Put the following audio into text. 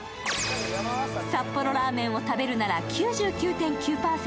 札幌ラーメンを食べるなら９９．９％